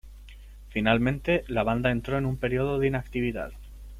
Finalmente, la banda entró en un periodo de inactividad.